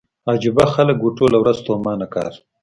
عجيبه خلک وو ټوله ورځ ستومانه کار.